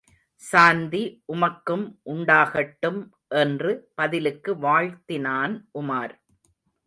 சாந்தி, உமக்கும் உண்டாகட்டும் என்று பதிலுக்கு வாழ்த்தினான் உமார்.